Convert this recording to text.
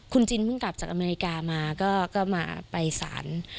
คุณจินเพิ่งกลับจากอเมริกามาก็มาไปสาร